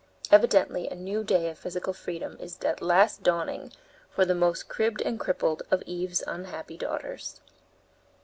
Evidently a new day of physical freedom is at last dawning for the most cribbed and crippled of Eve's unhappy daughters.